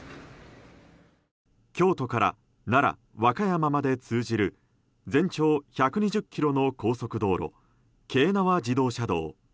京都から奈良、和歌山まで通じる全長１２０ｋｍの高速道路京奈和自動車道。